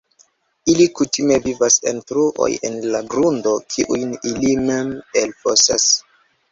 Ili kutime vivas en truoj en la grundo kiujn ili mem elfosas.